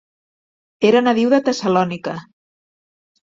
Era nadiu de Tessalònica.